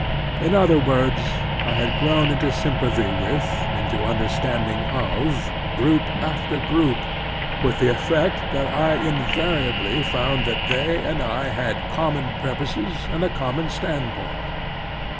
In other words, I had grown into sympathy with, into tmderstand ing of, group after group, with the effect that I invariably found that they and I had common pur poses and a common standpoint.